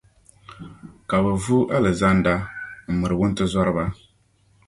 Ka bɛ vuui Alizanda m-miri wuntizɔriba.